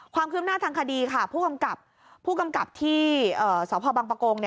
ความคืบหน้าทางคดีค่ะผู้กำกับที่สพบังปะโกง